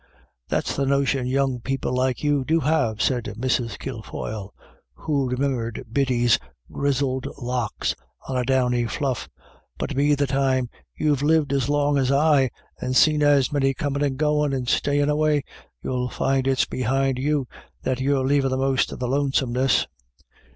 "That's the notion young people like you do have," said Mrs. Kilfoyle, who remembered Biddy's grizzled locks as a downy fluff, " but be the time you've lived as long as I, and seen as many comin' and goin' — and stayin' away — you'll find it's behind you that you're lavin' the most of the lonesomeness."